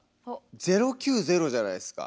「０９０」じゃないっすか。